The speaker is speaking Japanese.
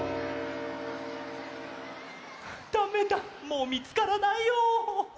だめだもうみつからないよ。